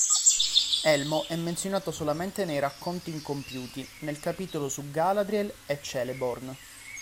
Elmo è menzionato solamente nei "Racconti incompiuti", nel capitolo su Galadriel e Celeborn.